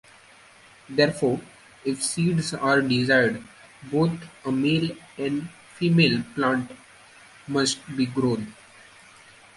Therefore, if seeds are desired, both a male and female plant must be grown.